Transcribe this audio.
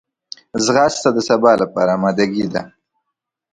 ځغاسته د سبا لپاره آمادګي ده